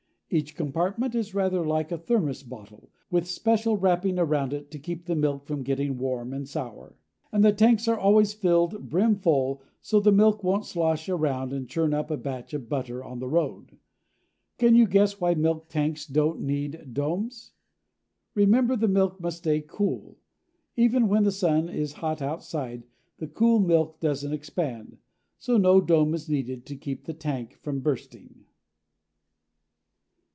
Each compartment is rather like a thermos bottle, with special wrapping around it to keep the milk from getting warm and sour. And the tanks are always filled brim full so the milk won't slosh around and churn up a batch of butter on the road. Can you guess why milk tanks don't need domes? Remember the milk must stay cool. Even when the sun is hot outside, the cool milk doesn't expand, so no dome is needed to keep the tank from bursting.